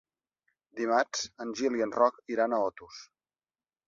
Dimarts en Gil i en Roc iran a Otos.